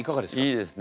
いいですね。